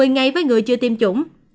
một mươi ngày với người chưa tiêm chủng